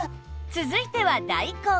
続いては大根